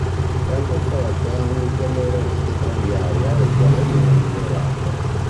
Francoforte ha un'ulteriore rete tranviaria oltre alle linee migliorate.